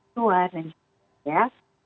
suara dan kaya